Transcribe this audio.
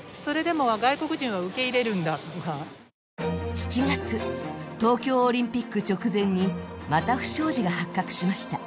７月、東京オリンピック直前に、また不祥事が発覚しました。